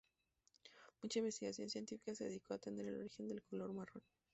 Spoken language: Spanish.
Mucha investigación científica se dedicó a entender el origen del color marrón.